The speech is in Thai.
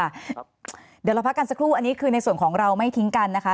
เดี๋ยวเราพักกันสักครู่อันนี้คือในส่วนของเราไม่ทิ้งกันนะคะ